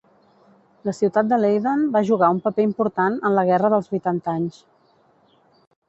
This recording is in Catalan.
La ciutat de Leiden va jugar un paper important en la Guerra dels Vuitanta Anys.